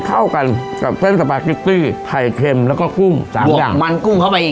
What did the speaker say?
เท่ากันกับเส้นไข่เค็มแล้วก็กุ้งสามอย่างบวกมันกุ้งเข้าไปอีก